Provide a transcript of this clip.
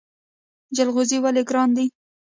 جلغوزي ولې ګران دي؟